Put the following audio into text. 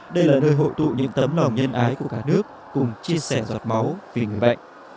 đây là nơi hội tụ những tấm lòng nhân ái của cả nước cùng chia sẻ giọt máu vì người bệnh